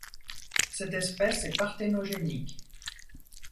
Cette espèce est parténogenique.